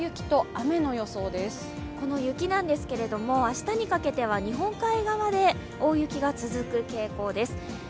この雪ですけれども、明日にかけては日本海側で大雪が続く傾向です。